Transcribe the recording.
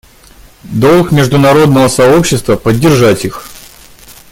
Долг международного сообщества — поддержать их.